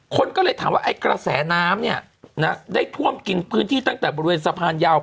คนก็เลยถามว่าไอ้กระแสน้ำเนี่ยนะได้ท่วมกินพื้นที่ตั้งแต่บริเวณสะพานยาว